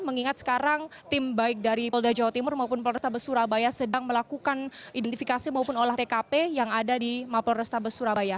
mengingat sekarang tim baik dari polda jawa timur maupun polrestabes surabaya sedang melakukan identifikasi maupun olah tkp yang ada di mapol restabes surabaya